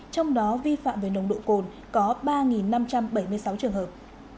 trong đó vi phạm về nồng độ cồn có ba năm trăm bảy mươi sáu trường hợp